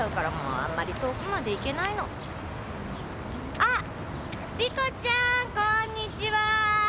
あっリコちゃんこんにちは。